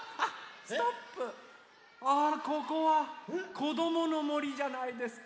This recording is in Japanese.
ああここは「こどもの森」じゃないですか。